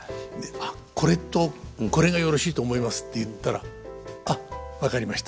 「あっこれとこれがよろしいと思います」って言ったら「あっ分かりました。